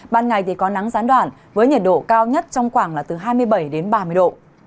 ban ngày thì có nắng gián đoạn với nhiệt độ cao nhất trong khoảng là từ hai mươi bảy đến ba mươi độ